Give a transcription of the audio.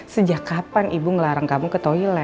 sejak kapan ibu ngelarang kamu ke toilet